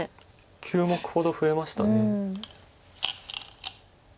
９目ほど増えました。